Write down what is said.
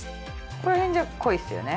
この辺じゃ濃いっすよね